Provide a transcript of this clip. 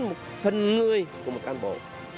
đó là một phần người của một cán bộ